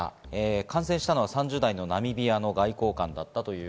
感染したのは３０代のナミビアの外交官です。